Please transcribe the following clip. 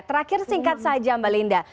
terakhir singkat saja mbak linda